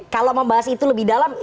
kalau membahas itu lebih dalam